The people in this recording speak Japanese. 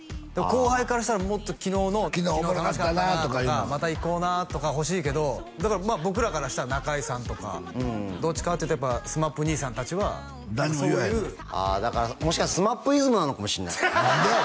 後輩からしたらもっと昨日の「昨日おもろかったな」とかいうの「また行こうな」とか欲しいけどだからまあ僕らからしたら中居さんとかどっちかっていうとやっぱＳＭＡＰ兄さん達はそういうああだからもしかするとＳＭＡＰイズムなのかもしんない何でや！